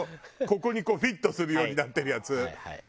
ここにフィットするようになってるやつ。